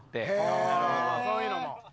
ああそういうのも。